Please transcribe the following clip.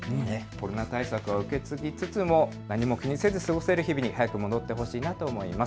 コロナ対策を受け継ぎつつ何も気にせず過ごせる日々に早く戻ってほしいなと思います。